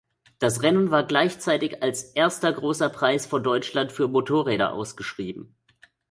Das Rennen war gleichzeitig als erster Großer Preis von Deutschland für Motorräder ausgeschrieben.